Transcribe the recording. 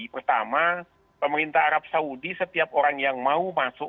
pertama pemerintah arab saudi setiap orang yang mau masuk